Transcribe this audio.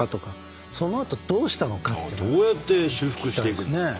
どうやって修復していくんですか？